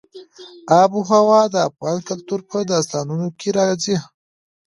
آب وهوا د افغان کلتور په داستانونو کې راځي.